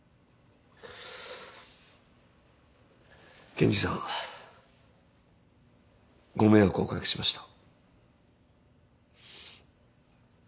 検事さんご迷惑をおかけしました。